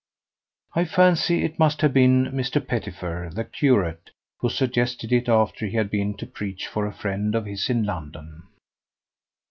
I fancy it must have been Mr. Petifer, the curate, who suggested it after he had been to preach for a friend of his in London.